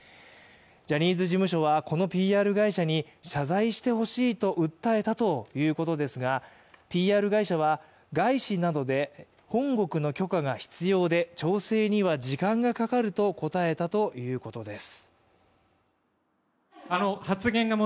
ジャニーズ事務所は、このＰＲ会社に謝罪してほしいと訴えたということですが、ＰＲ会社は外資などで本国の許可が必要で調整には時間がかかると答えたということです。